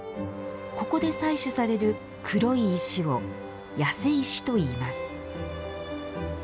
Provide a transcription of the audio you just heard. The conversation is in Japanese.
ここで採取される黒い石を八瀬石と言います。